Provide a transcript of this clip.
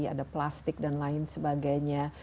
ada plastik dan lain sebagainya